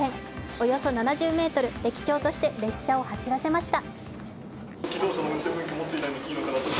およそ７０ｍ、駅長として列車を走らせました。